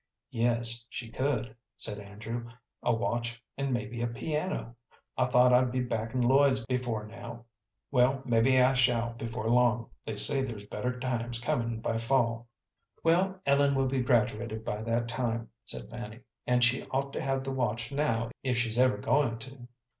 "Yes, she could," said Andrew "a watch and mebbe a piano. I thought I'd be back in Lloyd's before now. Well, mebbe I shall before long. They say there's better times comin' by fall." "Well, Ellen will be graduated by that time," said Fanny, "and she ought to have the watch now if she's ever goin' to.